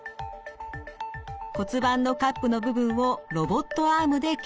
骨盤のカップの部分をロボットアームで削ります。